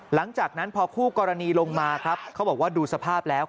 หลังจากนั้นพอคู่กรณีลงมาครับเขาบอกว่าดูสภาพแล้ว